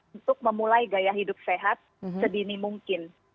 untuk memulai gaya hidup sehat sedini mungkin